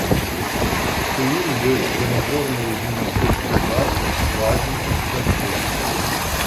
У ім ёсць трэнажорныя і гімнастычныя залы, лазня і басейн.